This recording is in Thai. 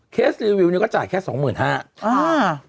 เคสรีวิวนี้ก็จ่ายแค่๒๕๐๐๐บาท